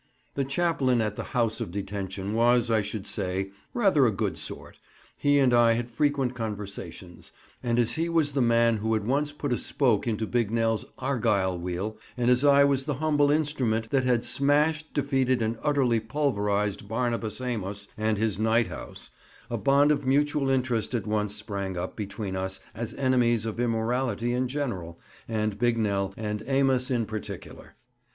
The chaplain at the "House of Detention" was, I should say, rather a good sort; he and I had frequent conversations, and as he was the man who had once put a spoke into Bignell's "Argyll" wheel, and as I was the humble instrument that had "smashed, defeated, and utterly pulverized" Barnabas Amos and his night house, a bond of mutual interest at once sprang up between us as enemies of immorality in general, and Bignell and Amos in particular.